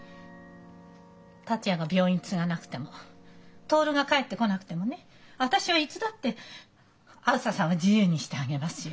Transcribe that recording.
達也が病院継がなくても徹が帰ってこなくてもね私はいつだってあづささんを自由にしてあげますよ。